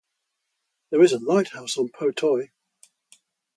There is a lighthouse on Po Toi.